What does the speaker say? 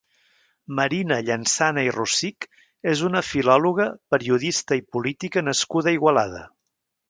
Marina Llansana i Rosich és una filòloga, periodista i política nascuda a Igualada.